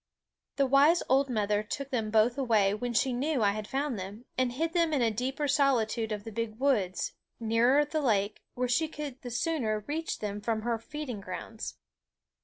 The wise old mother took them both away when she knew I had found them, and hid them in a deeper solitude of the big woods, nearer the lake, where she could the sooner reach them from her feeding grounds.